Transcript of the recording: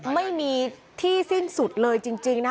ไม่มีที่สิ้นสุดเลยจริงนะ